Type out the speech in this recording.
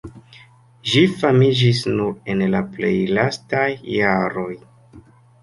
Ĝi famiĝis nur en la plej lastaj jaroj.